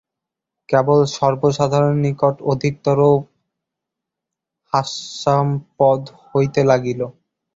কেবল সর্বসাধারণের নিকট অধিকতর হাস্যাস্পদ হইতে লাগিল।